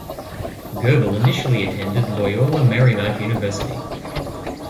Goebel initially attended Loyola Marymount University.